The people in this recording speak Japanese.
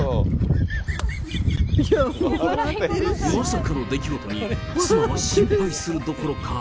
まさかの出来事に、妻は心配するどころか。